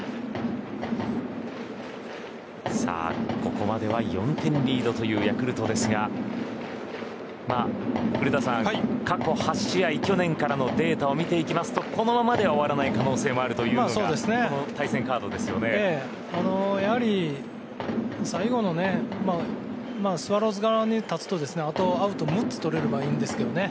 ここまでは４点リードというヤクルトですが古田さん、過去８試合去年からのデータを見ていきますとこのままでは終わらないという可能性があるのがやはり最後のスワローズ側に立つとあとアウト６つ取れればいいんですけどね。